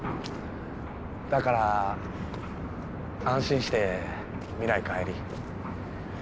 だから安心して未来帰り。